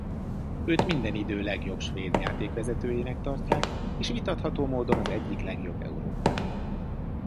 Őt minden idő legjobb svéd játékvezetőjének tartják és vitatható módon az egyik legjobb Európában.